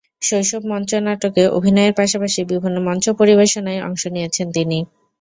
শৈশবে মঞ্চ নাটকে অভিনয়ের পাশাপাশি বিভিন্ন মঞ্চ পরিবেশনায় অংশ নিয়েছেন তিনি।